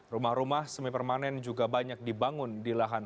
rumah rumah semi permanen juga banyak dibangun di lahan